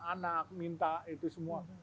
anak minta itu semua